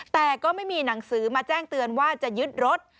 แต่ก็ไม่มีหนังสือมาแจ้งเตือนว่าจะยึดรถ